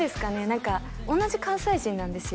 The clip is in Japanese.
何か同じ関西人なんですよ